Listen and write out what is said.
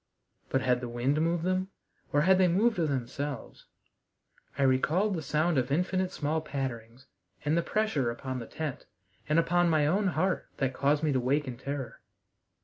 But had the wind moved them, or had they moved of themselves? I recalled the sound of infinite small patterings and the pressure upon the tent and upon my own heart that caused me to wake in terror.